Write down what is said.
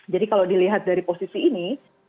jadi kalau dilihat dari posisi ini